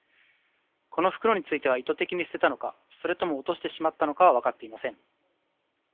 この袋については意図的に捨てたのかそれとも落としてしまったのかは分かっていません。